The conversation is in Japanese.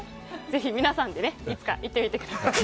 ぜひ皆さんでいつか行ってみてください。